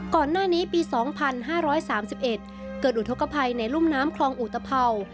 ก่อนหน้านี้ปี๒๕๓๑เกิดอุทธกภัยในรุ่มน้ำคลองอุตภัวร์